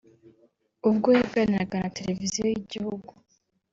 ubwo yaganiraga na Televiziyo y’Igihugu